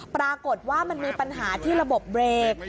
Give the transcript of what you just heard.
ปรากฏว่ามันมีปัญหาที่ระบบเบรก